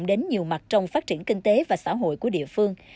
đến nhiều mặt trong phát triển kinh tế và xã hội của địa phương